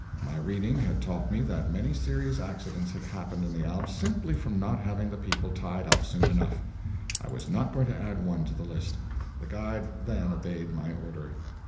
My reading had taught me that many serious accidents had happened in the Alps simply from not having the people tied up soon enough; I was not going to add one to the list. The guide then obeyed my order.